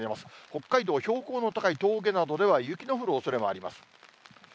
北海道、標高の高い峠などでは雪の降るおそれもあります。